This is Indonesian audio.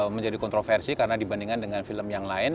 menjadi kontroversi karena dibandingkan dengan film yang lain